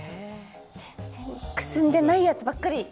全然くすんでないやつばっかり。